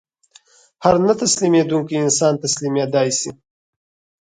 هر نه تسلیمېدونکی انسان تسلیمېدای شي